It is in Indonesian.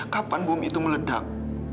kapan bom itu meledak